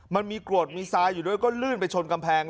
มันมีกรวดมีทรายอยู่ด้วยก็ลื่นไปชนกำแพง